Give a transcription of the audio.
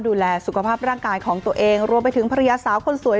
ดูแลสุขภาพร่างกายของตัวเองรวมไปถึงภรรยาสาวคนสวย